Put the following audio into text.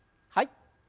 はい。